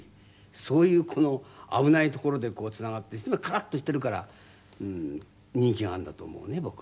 そういう危ないところでつながっていつもカラッとしているから人気があるんだと思うね僕は。